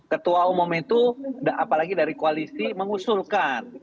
ketua umum itu apalagi dari koalisi mengusulkan